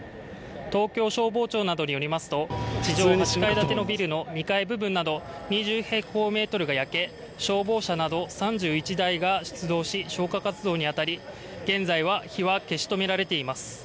東京消防庁などによりますと地上８階建てのビルの２階部分など２０平方メートルが焼け消防車など３１台が出動し消火活動に当たり、現在は火は消し止められています。